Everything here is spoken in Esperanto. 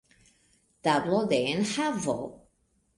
Tabelo de enhavo.